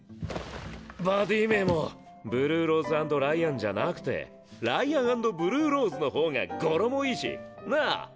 バディ名も“ブルーローズ＆ライアン”じゃなくて“ライアン＆ブルーローズ”のほうが語呂もいいしなぁ？